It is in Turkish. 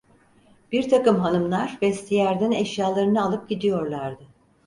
Birtakım hanımlar vestiyerden eşyalarını alıp gidiyorlardı.